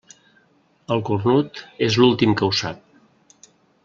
El cornut és l'últim que ho sap.